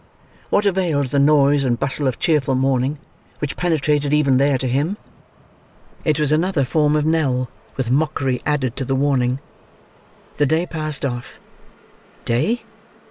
What availed the noise and bustle of cheerful morning, which penetrated even there, to him? It was another form of knell, with mockery added to the warning. The day passed off. Day?